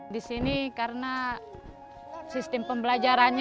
di sini karena sistem pembelajarannya